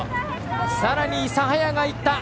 さらに諫早がいった。